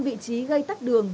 năm vị trí gây tắt đường